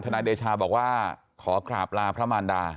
นายเดชาบอกว่าขอกราบลาพระมารดา